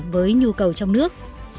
với nhu cầu trong nước